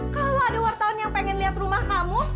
kalau ada wartawan yang pengen lihat rumah kamu